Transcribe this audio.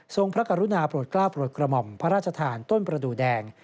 พระกรุณาโปรดกล้าโปรดกระหม่อมพระราชทานต้นประดูแดง